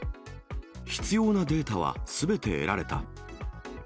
必要なデータはすべて得られた。